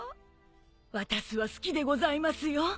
わたすは好きでございますよ。